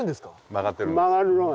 曲がってるんです。